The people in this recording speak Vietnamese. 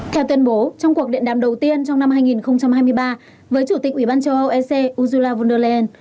theo tuyên bố trong cuộc điện đàm đầu tiên trong năm hai nghìn hai mươi ba với chủ tịch ủy ban châu âu ec ursula von der leyen